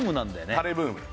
タレブーム